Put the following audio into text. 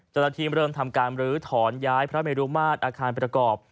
ฐาติธิบเริ่มทำการหมณือถอนย้ายพระเมรุมาตรอาคารประกอบ